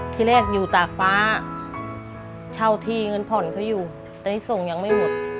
ที่แรกอยู่ตากฟ้าเช่าที่เงินผ่อนเขาอยู่ตอนนี้ส่งยังไม่หมด